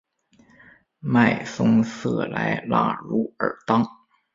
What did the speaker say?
迈松瑟莱拉茹尔当。